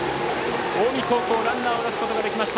近江高校ランナーを出すことができました。